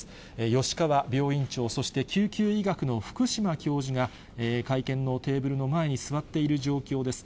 吉川病院長、そして救急医学の福島教授が、会見のテーブルの前に座っている状況です。